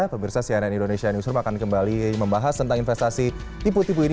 pemirsa cnn indonesia newsroom akan kembali membahas tentang investasi tipu tipu ini